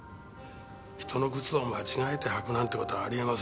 人の靴を間違えて履くなんて事はありえません。